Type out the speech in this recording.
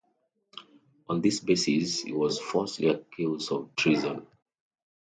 On this basis he was falsely accused of treason.